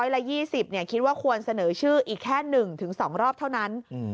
ละ๒๐คิดว่าควรเสนอชื่ออีกแค่๑๒รอบเท่านั้น